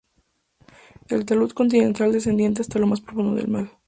El talud continental desciende hasta lo más profundo del mar.